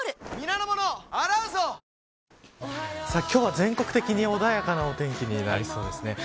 今日は全国的に穏やかなお天気になりそうです。